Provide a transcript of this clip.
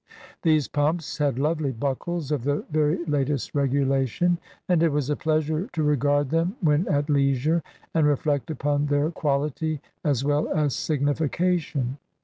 These pumps had lovely buckles of the very latest regulation; and it was a pleasure to regard them when at leisure, and reflect upon their quality, as well as signification.